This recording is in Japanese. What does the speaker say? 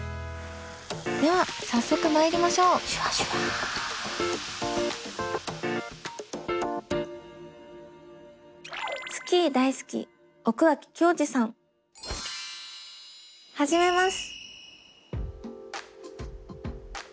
では早速まいりましょう始めます。